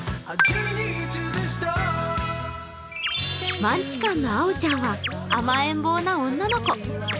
マンチカンのあおちゃんは甘えん坊の女の子。